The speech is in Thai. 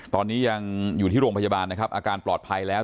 ตอนนี้ยังอยู่ที่โรงพยาบาลนะครับอาการปลอดภัยแล้ว